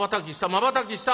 まばたきした！